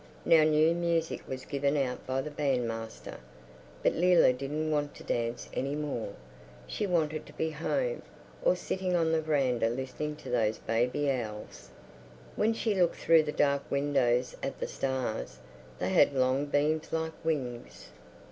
Now new music was given out by the bandmaster. But Leila didn't want to dance any more. She wanted to be home, or sitting on the veranda listening to those baby owls. When she looked through the dark windows at the stars, they had long beams like wings....